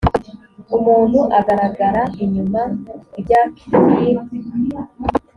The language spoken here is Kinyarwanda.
umuntu agaragara inyuma ibyak tim